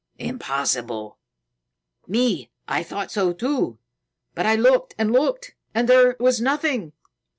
"Impossible. Me, I thought so, too. But I looked and looked, and there was nothing."